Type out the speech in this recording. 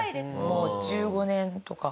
もう１５年とか。